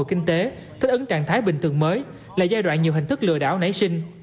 kinh tế thích ứng trạng thái bình thường mới là giai đoạn nhiều hình thức lừa đảo nảy sinh